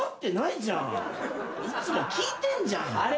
いつも聞いてんじゃん。